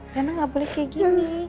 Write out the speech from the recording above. rena gak boleh kayak gini